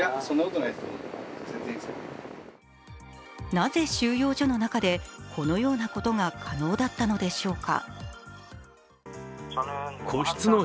なぜ、収容所の中でこのようなことが可能だったのでしょうか？